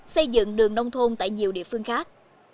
xây dựng đường nông thôn tại nhiều địa phương khác